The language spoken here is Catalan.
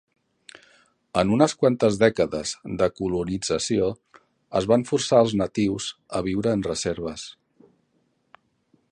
En unes quantes dècades de colonització, es van forçar als natius a viure en reserves.